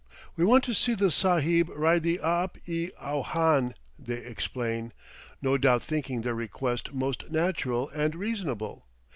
"We want to see the sahib ride the aap i awhan," they explain, no doubt thinking their request most natural and reasonable.